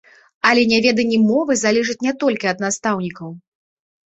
Але няведанне мовы залежыць не толькі ад настаўнікаў.